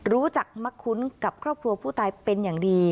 รู้จักมะคุ้นกับครอบครัวผู้ตายเป็นอย่างดี